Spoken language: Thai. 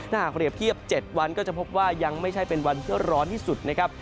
ถ้าหากเรียบเทียบ๗วันก็จะพบว่ายังไม่ใช่เป็นวันที่ร้อนที่สุดนะครับ